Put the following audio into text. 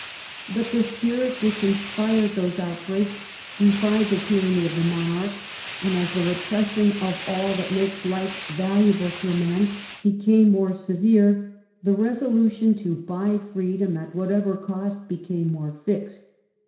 But the S])irit which inspired those outbreaks defied the tyranny of the monarch, and, as the repression of all that makes life valuable to a man became more severe, the resolution to buy freedom at whatever cost became more fixed.